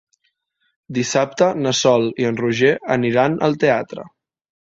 Dissabte na Sol i en Roger aniran al teatre.